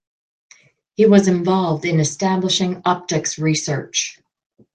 He was involved in establishing optics research.